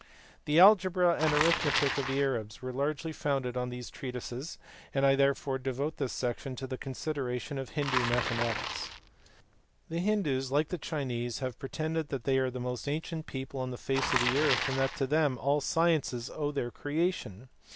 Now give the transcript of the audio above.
The algebra and arithmetic of the Arabs were largely founded on these treatises, and I therefore devote this section to the considera tion of Hindoo mathematics. The Hindoos, like the Chinese, have pretended that they are the most ancient people on the face of the earth, and that to them all sciences owe their creation.